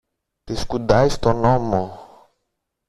Τη σκουντάει στον ώμο